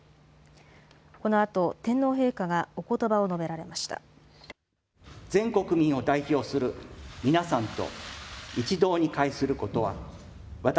このあと天皇陛下がおことばを述べられました。